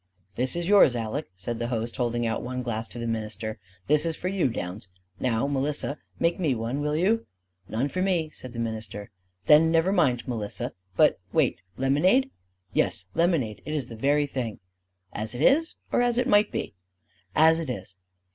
"This is yours, Aleck," said the host, holding out one glass to the minister. "This is for you, Downs. Now, Melissa, make me one, will you?" "None for me," said the minister. "Then never mind, Melissa. But wait lemonade?" "Yes; lemonade. It is the very thing." "As it is or as it might be?" "As it is."